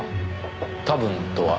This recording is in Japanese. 多分とは？